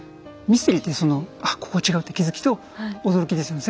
ミステリーってその「あここ違う」って気づきと驚きですよね